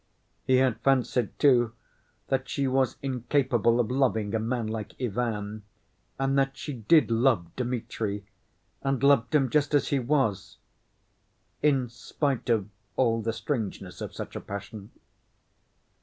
He had fancied, too, that she was incapable of loving a man like Ivan, and that she did love Dmitri, and loved him just as he was, in spite of all the strangeness of such a passion.